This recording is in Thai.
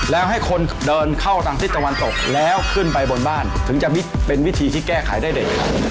แล้วให้คนเดินเข้าทางทิศตะวันตกแล้วขึ้นไปบนบ้านถึงจะเป็นวิธีที่แก้ไขได้เลยครับ